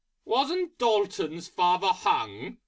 wasn't D'Alton's Father hung?